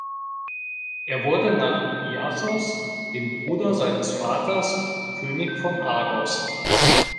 Er wurde nach Iasos, dem Bruder seines Vaters, König von Argos.